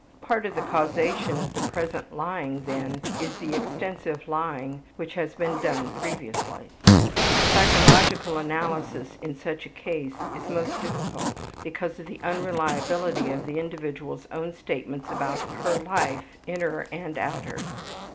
Part of the causation of the present lying, then, is the extensive lying which has been done previously. Psychological analysis in such a case is most difficult because of the unreliability of the individual's own statements about her life, inner and outer.